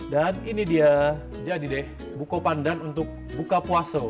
dan ini dia jadi deh buko pandan untuk buka puasa